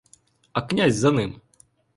А князь за ним.